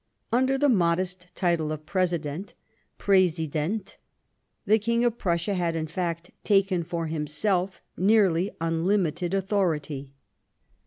Under the modest title of President {Prdsident) the King of Prussia had, in fact, taken for himself nearly unlimited authority.